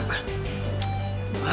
emang lo berdua kenapa